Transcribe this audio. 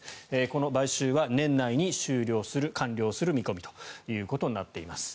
この買収は年内に終了する完了する見込みということになっています。